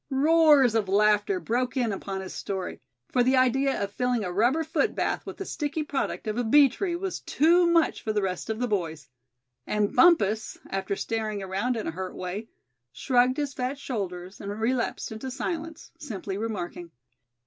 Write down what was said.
Roars of laughter broke in upon his story; for the idea of filling a rubber foot bath with the sticky product of a bee tree was too much for the rest of the boys. And Bumpus, after staring around in a hurt way, shrugged his fat shoulders, and relapsed into silence, simply remarking.